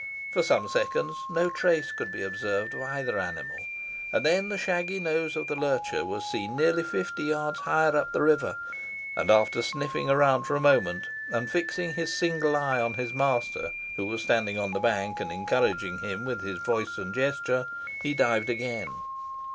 For some seconds no trace could be observed of either animal, and then the shaggy nose of the lurcher was seen nearly fifty yards higher up the river, and after sniffing around for a moment, and fixing his single eye on his master, who was standing on the bank, and encouraging him with his voice and gesture, he dived again.